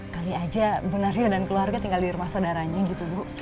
kali aja bu nario dan keluarga tinggal di rumah saudaranya gitu bu